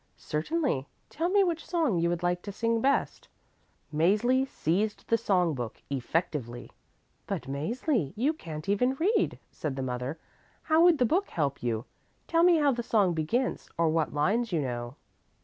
"Certainly, tell me which song you would like to sing best." Mäzli seized the song book effectively. "But, Mäzli, you can't even read," said the mother. "How would the book help you? Tell me how the song begins, or what lines you know."